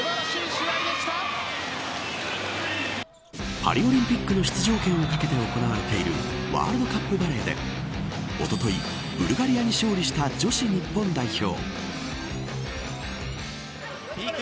パリオリンピックの出場権を懸けて行われているワールドカップバレーでおととい、ブルガリアに勝利した女子日本代表。